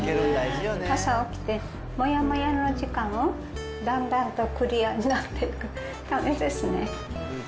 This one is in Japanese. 朝起きて、もやもやな時間をだんだんとクリアになっていくためですね。